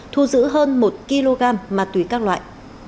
thu giữ hơn một kg ma túy các loại